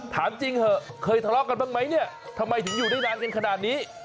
ถามจริงเถอะเคยทะเลาะกันบ้างไหมเนี่ยทำไมถึงอยู่ได้นานกันขนาดนี้